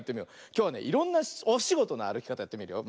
きょうはねいろんなおしごとのあるきかたやってみるよ。